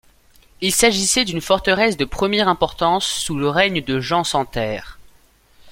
Il s'agissait d'une forteresse de première importance sous le règne de Jean sans Terre.